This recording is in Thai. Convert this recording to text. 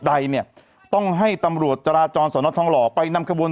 ใดเนี่ยต้องให้ตำรวจจราจรสนทองหล่อไปนำขบวน